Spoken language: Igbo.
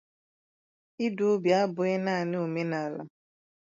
idu obi abụghị naanị omenala